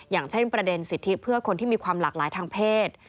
อย่างเช่นประเด็นสิทธิเพื่อคนที่มีความหลากหลายทางเพศ